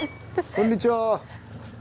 こんにちは。